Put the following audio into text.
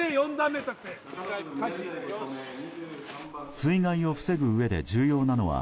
水害を防ぐうえで重要なのは